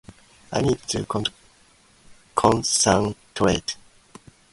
I need to concentrate.